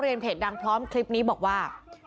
วิวิธีครับ